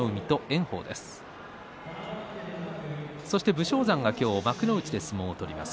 武将山が幕内で相撲を取ります。